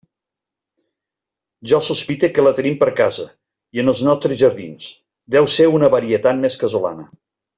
Jo sospite que la que tenim per casa, i en els nostres jardins, deu ser una varietat més casolana.